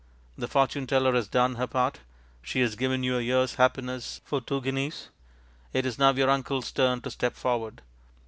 The fortune teller has done her part; she has given you a year's happiness for two guineas. It is now your uncle's turn to step forward.